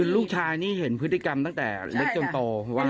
ลูกชายนี่เห็นพฤติกรรมตั้งแต่เล็กจนโต